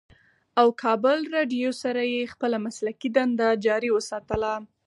او کابل رېډيو سره ئې خپله مسلکي دنده جاري اوساتله